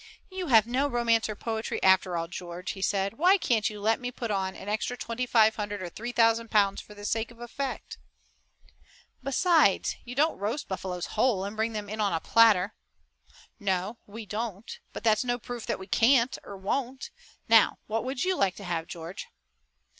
"You have no romance or poetry after all, George," he said. "Why can't you let me put on an extra twenty five hundred or three thousand pounds for the sake of effect?" "Besides, you don't roast buffaloes whole and bring them in on a platter!" "No, we don't, but that's no proof that we can't or won't. Now, what would you like to have, George?"